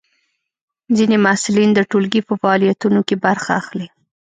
ځینې محصلین د ټولګي په فعالیتونو کې برخه اخلي.